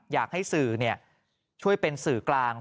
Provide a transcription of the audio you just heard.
อยากให้สื่อช่วยเป็นสื่อกลาง